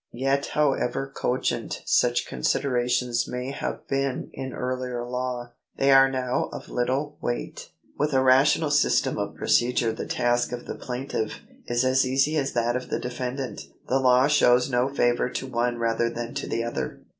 Yet however cogent such considerations may have been in earlier law, they are now of little weight. With a rational system of procedure the task of the plaintiff is as easy as that of the defendant. The law shows no favour to one rather than to the other.